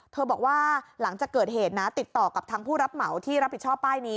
บอกว่าหลังจากเกิดเหตุนะติดต่อกับทางผู้รับเหมาที่รับผิดชอบป้ายนี้